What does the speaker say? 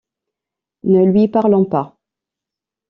Ne lui parlons pas.